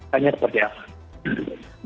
tanya seperti apa